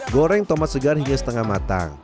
goreng tomat segar hingga setengah matang